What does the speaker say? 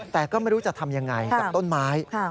แต่ก็ไม่รู้จะทำยังไงกับต้นไม้